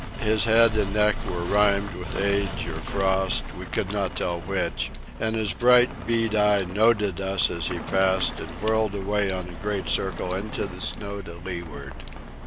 His head and neck were rimed with age or frost—we could not tell which—and his bright bead eye noted us as he passed and whirled away on a great circle into the snow to leeward.